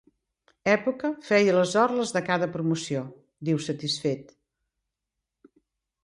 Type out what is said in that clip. Època feia les orles de cada promoció —diu, satisfet—.